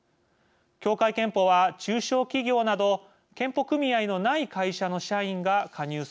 協会けんぽは中小企業など健保組合のない会社の社員が加入する団体です。